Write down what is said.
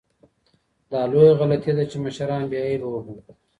دا لویه غلطي ده چي مشران بې عیبه وګڼو.